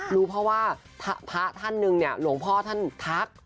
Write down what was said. รู้เพราะว่าพระท่านหนึ่งเนี่ยหลวงพ่อท่านทัก